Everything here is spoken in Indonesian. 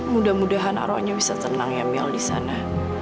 mudah mudahan arwahnya bisa tenang ya mil disana